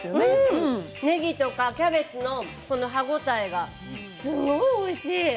ねぎとかキャベツの歯応えがすごくおいしい。